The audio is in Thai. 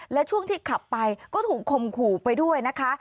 และช่วงที่ขับไปก็ถูกคมขู่ไปด้วยนะคะ